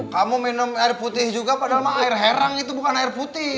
kamu minum air putih juga padahal air herang itu bukan air putih